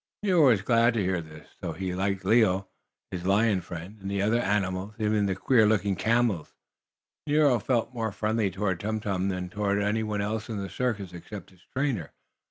Nero was glad to hear this. Though he liked Leo, his lion friend, and the other animals, even the queer looking camels, Nero felt more friendly toward Tum Tum than toward any one else in the circus except his trainer.